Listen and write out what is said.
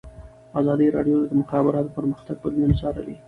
ازادي راډیو د د مخابراتو پرمختګ بدلونونه څارلي.